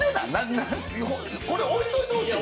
これ置いといてほしいの？